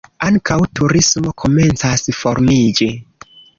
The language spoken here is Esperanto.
Ankaŭ turismo komencas formiĝi.